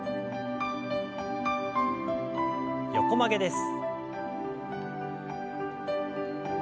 横曲げです。